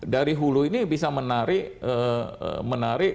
dari hulu ini bisa menarik